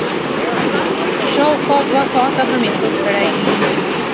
شاوخوا دوه ساعته به مې خوب کړی وي.